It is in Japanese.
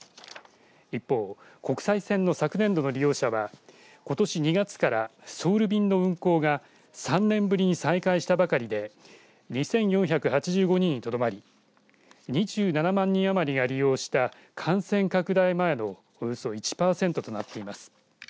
一方、国際線の昨年度の利用者はことし２月からソウル便の運航が３年ぶりに再開したばかりで２４８５人にとどまり２７万人余りが利用した感染拡大前のおよそ１パーセントとなっています。